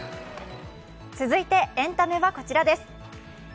続いてエンタメはこちらです。